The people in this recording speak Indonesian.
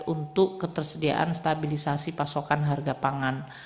untuk ketersediaan stabilisasi pasokan harga pangan